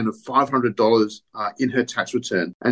nuri harus mengatakan keuntungan kapital lima ratus